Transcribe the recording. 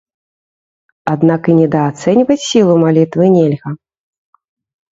Аднак і недаацэньваць сілу малітвы нельга.